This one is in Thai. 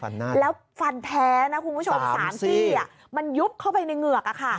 แล้วฟันแท้นะคุณผู้ชม๓ซี่มันยุบเข้าไปในเหงือก